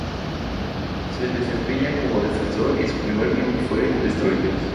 Se desempeñaba como defensor y su primer club fue Destroyers.